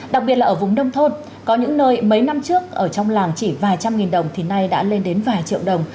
đặc biệt là ở vùng nông thôn có những nơi mấy năm trước ở trong làng chỉ vài trăm nghìn đồng thì nay đã lên đến vài triệu đồng